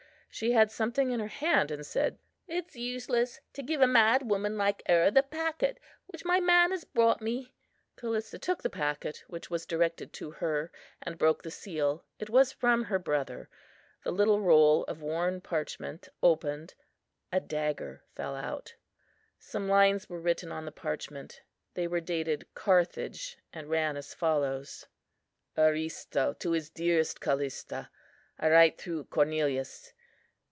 She had something in her hand, and said, "It's useless to give a mad woman like her the packet, which my man has brought me." Callista took the packet, which was directed to her, and broke the seal. It was from her brother. The little roll of worn parchment opened; a dagger fell out. Some lines were written on the parchment; they were dated Carthage, and ran as follows:— "Aristo to his dearest Callista. I write through Cornelius.